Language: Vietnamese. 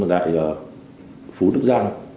tại phố đức giang